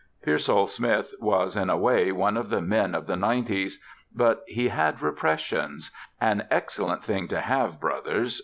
Pearsall Smith was, in a way, one of the Men of the Nineties. But he had Repressions (an excellent thing to have, brothers.